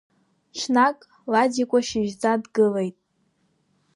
Ҽнак Ладикәа шьыжьӡа дгылеит.